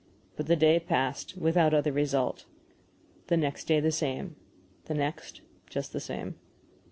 But the day passed without other result. The next day the same. The next just the same.